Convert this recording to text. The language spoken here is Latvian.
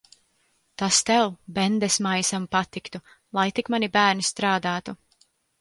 Tas tev, bendesmaisam, patiktu. Lai tik mani bērni strādātu.